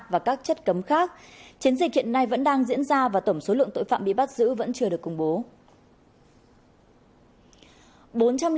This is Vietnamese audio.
và các chất cấm khác chiến dịch hiện nay vẫn đang diễn ra và tổng số lượng tội phạm bị bắt giữ vẫn chưa được công bố